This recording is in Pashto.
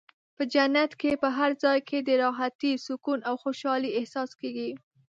په جنت کې په هر ځای کې د راحتۍ، سکون او خوشحالۍ احساس کېږي.